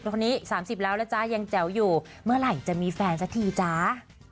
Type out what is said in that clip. ตอนนี้สามสิบแล้วแล้วจ้ะยังแจ๋วอยู่เมื่อไหร่จะมีแฟนสักทีจ้า